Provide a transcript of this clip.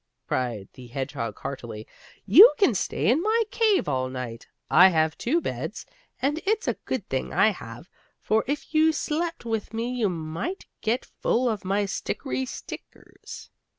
cried the hedgehog heartily. "You can stay in my cave all night. I have two beds, and it's a good thing I have, for if you slept with me you might get full of my stickery stickers."